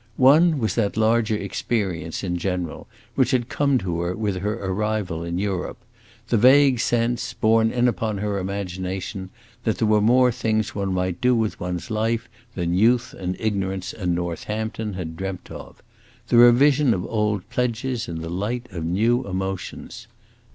One was that larger experience, in general, which had come to her with her arrival in Europe; the vague sense, borne in upon her imagination, that there were more things one might do with one's life than youth and ignorance and Northampton had dreamt of; the revision of old pledges in the light of new emotions.